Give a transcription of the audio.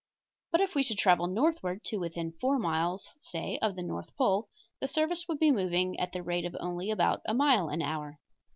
But if we should travel northward to within four miles, say, of the north pole, the surface point would be moving at the rate of only about a mile an hour.